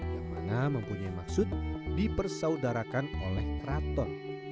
yang mana mempunyai maksud dipersaudarakan oleh keraton